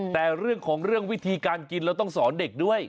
แต่เรื่องของเรื่องวิธีการกินเราต้องสอนเด็กด้วย